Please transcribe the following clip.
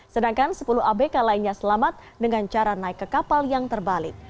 sedangkan sepuluh abk lainnya selamat dengan cara naik ke kapal yang terbalik